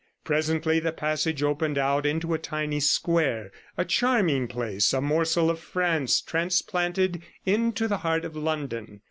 Presently the passage opened out into a tiny square, a charming place, a morsel of France transplanted into the heart of London.